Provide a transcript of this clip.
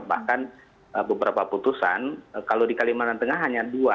bahkan beberapa putusan kalau di kalimantan tengah hanya dua